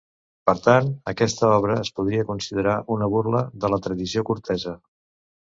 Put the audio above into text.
Per tant, aquesta obra es podria considerar una burla de la tradició cortesa.